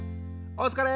おつかれ！！